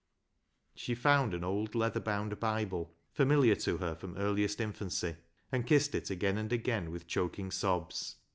She found an old leather bound Bible, familiar to her from earliest infancy, and kissed it again and again with choking sobs.